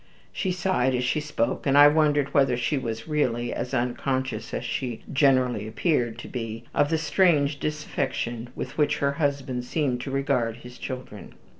She sighed as she spoke, and I wondered whether she was really as unconscious as she generally appeared to be of the strange dissatisfaction with which her husband seemed to regard his children.